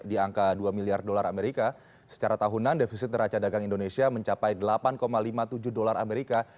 di angka dua miliar dolar amerika secara tahunan defisit neraca dagang indonesia mencapai delapan lima puluh tujuh dolar amerika